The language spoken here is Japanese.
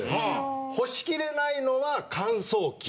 干しきれないのは乾燥機。